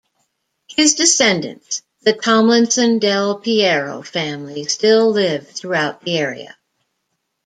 His descendants, the Tomlinson-Del Piero Family, still live throughout the area.